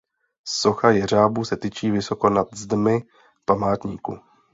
Socha jeřábů se tyčí vysoko nad zdmi památníku.